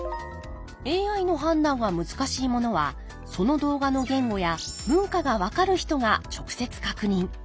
ＡＩの判断が難しいものはその動画の言語や文化が分かる人が直接確認。